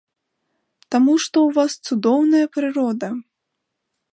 Таму што ў вас цудоўная прырода.